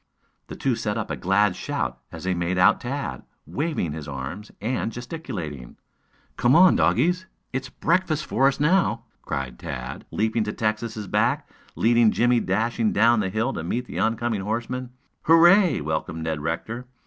The two set up a glad shout as they made out Tad, waving his arms and gesticulating. "Come on, doggies! It's breakfast for us, now!" cried Tad, leaping to Texas' back, leading Jimmie dashing down the hill to meet the oncoming horsemen. "Hooray!" welcomed Ned Rector.